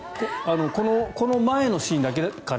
この前のシーンだけかな。